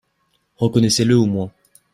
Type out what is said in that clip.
Reconnaissez-le au moins